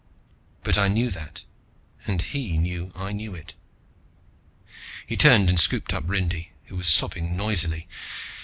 But I knew that and he knew I knew it. He turned and scooped up Rindy, who was sobbing noisily.